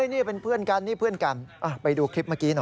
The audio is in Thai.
นี่เป็นเพื่อนกันนี่เพื่อนกันไปดูคลิปเมื่อกี้หน่อย